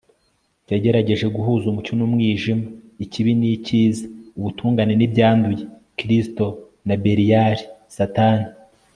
yagerageje guhuza umucyo n'umwijima, ikibi n'ikiza, ubutungane n'ibyanduye, kristo na beliyali (satani)